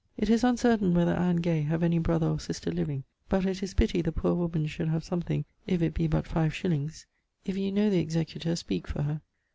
It is uncertaine whether Anne Gay have any brother or sister living, but it is pitty the poor woman should have somthing if it be but 5 shillings. If you know the executor speak for her.